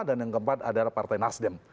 dan yang keempat adalah partai nasdem